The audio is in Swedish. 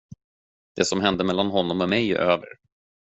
Det som hände mellan honom och mig är över.